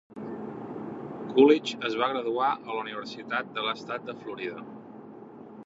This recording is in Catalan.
Coolidge es va graduar a la Universitat de l'Estat de Florida.